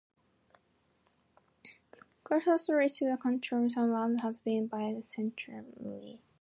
Ceolnoth also recovered control of some lands that had been lost by Canterbury.